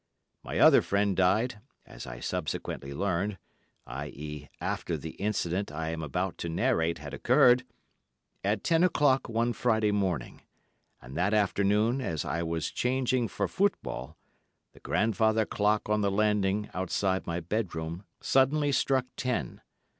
My other friend died—as I subsequently learned, i.e., after the incident I am about to narrate had occurred—at ten o'clock one Friday morning, and that afternoon as I was changing for football, the grandfather clock on the landing outside my bedroom suddenly struck ten.